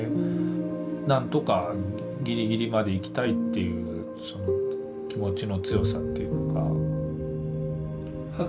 「なんとかギリギリまで行きたい」っていうその気持ちの強さっていうか。